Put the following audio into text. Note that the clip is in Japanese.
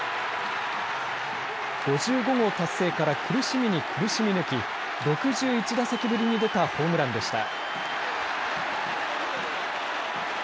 ５５号達成から苦しみに苦しみ抜き６１打席ぶりに出たホームランでした。